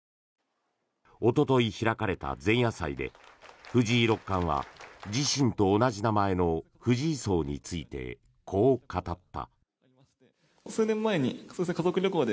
おととい開かれた前夜祭で藤井六冠は自身と同じ名前の藤井荘についてこう語った。